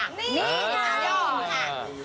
นี่ค่ะ